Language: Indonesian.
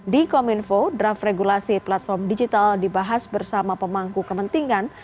di kominfo draft regulasi platform digital dibahas bersama pemangku kepentingan